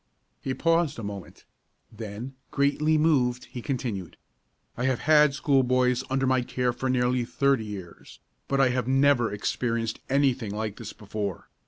He paused a moment; then, greatly moved, he continued: "I have had schoolboys under my care for nearly thirty years, but I have never experienced anything like this before.